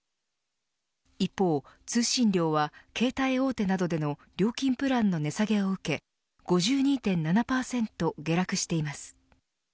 一方通信料は携帯大手などでの料金プランの値下げを受け５２．７％下落しています。